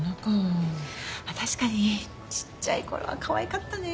確かにちっちゃいころはかわいかったね。